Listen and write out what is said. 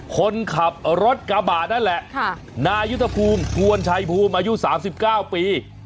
คนขับรถกระบะนั่นแหละนายุทธภูมิกวนชัยภูมิอายุ๓๙ปี